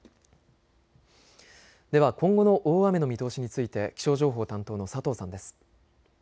では今後の大雨の見通しについて気象情報担当の佐藤さんです。